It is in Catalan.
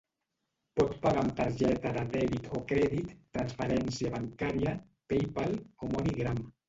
Pot pagar amb targeta de dèbit o crèdit, transferència bancaria, PayPal o MoneyGram.